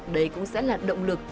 đấy cũng sẽ là động lực